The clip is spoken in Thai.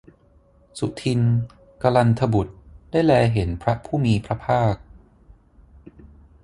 สุทินน์ กลันทบุตรได้แลเห็นพระผู้มีพระภาค